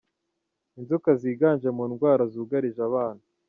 Inzoka ziganje mu ndwara zugarije abana